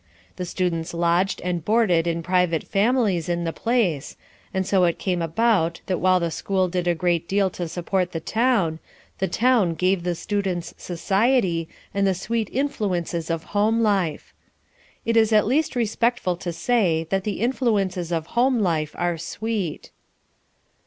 The students lodged and boarded in private families in the place, and so it came about that while the school did a great deal to support the town, the town gave the students society and the sweet influences of home life. It is at least respectful to say that the influences of home life are sweet.